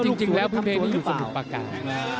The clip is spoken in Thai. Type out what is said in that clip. แต่จริงแล้วพี่เฮนที่อยู่สมุทรประกัน